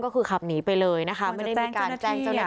ก็คือขับหนีไปเลยนะคะไม่ได้แกนที่ค่ะ